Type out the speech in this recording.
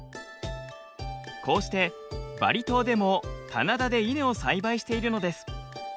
こうしてバリ島でも棚田でイネを栽培しているのです。